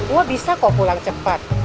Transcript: wah bisa kok pulang cepat